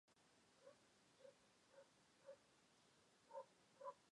不是所有面向对象编程语言都支持元类。